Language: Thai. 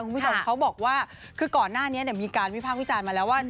คุณผู้ชมเขาบอกว่าคือก่อนหน้านี้มีการวิพากษ์วิจารณ์มาแล้วว่า